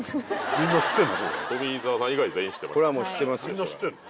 みんな知ってんの？